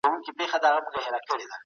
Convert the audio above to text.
علامه رشاد د علمي دقت او ژوروالي مثال دی.